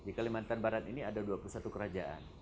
di kalimantan barat ini ada dua puluh satu kerajaan